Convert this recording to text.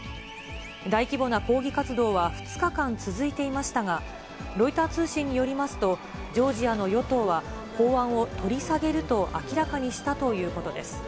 大規模な抗議活動は２日間続いていましたが、ロイター通信によりますと、ジョージアの与党は、法案を取り下げると明らかにしたということです。